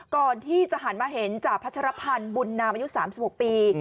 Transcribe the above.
ก่อนที่จะหันมาเห็นจ่าพัชรพันธ์บุญนามอายุ๓๖ปี